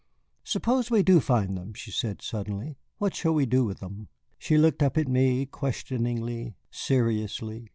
"Suppose we do find them," she said suddenly. "What shall we do with them?" She looked up at me questioningly, seriously.